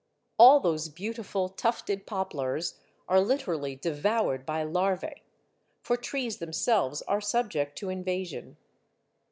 All those beautiful tufted poplars are literally devoured by larvae, for trees themselves are subject to invasion.